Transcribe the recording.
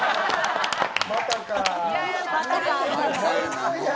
またか。